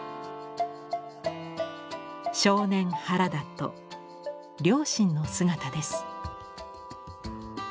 少年・原田と両親の姿です。